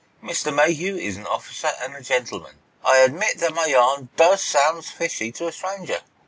"Mr. Mayhew is an officer and a gentleman. I admit that my yarn does sound fishy to a stranger.